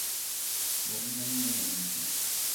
Bogdan Leonte